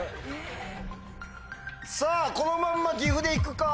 さぁこのまんま「ぎふ」で行くか。